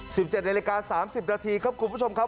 สิบเจ็ดนาฬิกาสามสิบนาทีครับคุณผู้ชมครับ